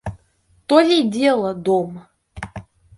То ли дело дома!